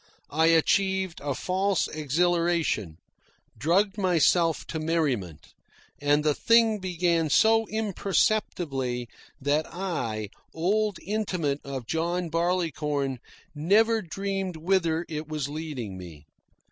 I achieved a false exhilaration, drugged myself to merriment. And the thing began so imperceptibly that I, old intimate of John Barleycorn, never dreamed whither it was leading me.